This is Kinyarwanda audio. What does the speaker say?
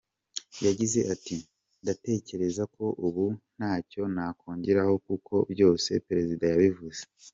Yagize ati “Ndatekereza ko ubu ntacyo nakongeraho kuko byose Perezida yabivuze.